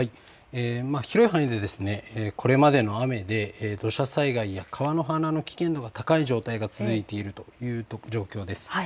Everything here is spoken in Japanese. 広い範囲でこれまでの雨で土砂災害や川の氾濫の危険度が高い状態が続いているという状況です。